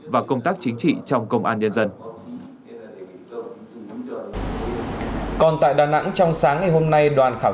và công tác chính trị trong công an nhân dân còn tại đà nẵng trong sáng ngày hôm nay